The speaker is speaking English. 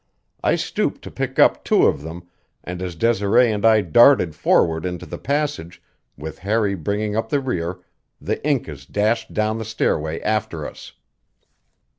I stooped to pick up two of them, and as Desiree and I darted forward into the passage, with Harry bringing up the rear, the Incas dashed down the stairway after us.